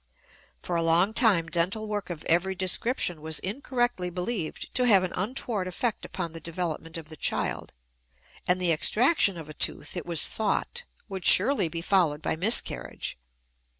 For a long time dental work of every description was incorrectly believed to have an untoward effect upon the development of the child; and the extraction of a tooth, it was thought, would surely be followed by miscarriage.